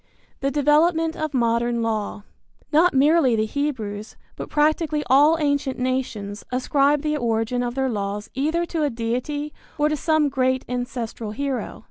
V. THE DEVELOPMENT OF MODERN LAW. Not merely the Hebrews, but practically all ancient nations ascribe the origin of their laws either to a deity or to some great ancestral hero.